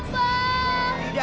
papa ampun papa